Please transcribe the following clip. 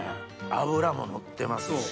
脂ものってますし。